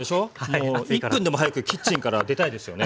もう１分でも早くキッチンから出たいですよね。